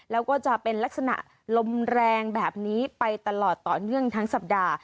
แล้วก็จะเป็นลักษณะลมแรงแบบนี้ไปตลอดต่อเนื่องทั้งสัปดาห์